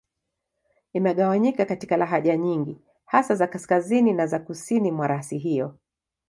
Imegawanyika katika lahaja nyingi, hasa za Kaskazini na za Kusini mwa rasi hiyo.